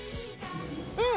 うん。